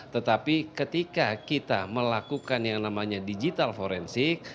tetapi ketika kita melakukan yang namanya digital forensik